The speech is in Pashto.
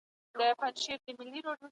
درناوی د خلګو لخوا کېږي.